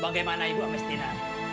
bagaimana ibu amestina